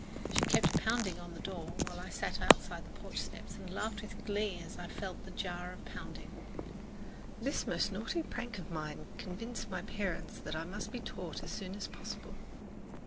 She kept pounding on the door, while I sat outside on the porch steps and laughed with glee as I felt the jar of the pounding. This most naughty prank of mine convinced my parents that I must be taught as soon as possible.